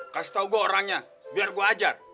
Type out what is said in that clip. kasih tau gua orangnya biar gua ajar